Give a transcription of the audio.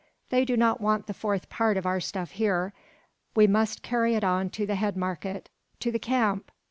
They do not want the fourth part of our stuff here. We must carry it on to the head market. To the camp!